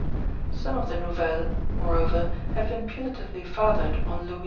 Some of the Nouvelles, moreover, have been putatively fathered on Louis XI.